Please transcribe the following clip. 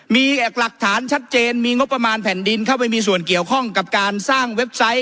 มีหลักฐานชัดเจนมีงบประมาณแผ่นดินเข้าไปมีส่วนเกี่ยวข้องกับการสร้างเว็บไซต์